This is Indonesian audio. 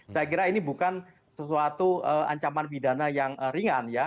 saya kira ini bukan sesuatu ancaman pidana yang ringan ya